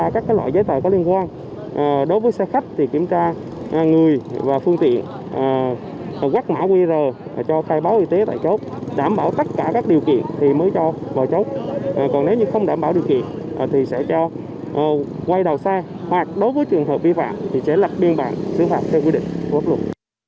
chế lập biên bản xứ phạm theo quy định quốc lục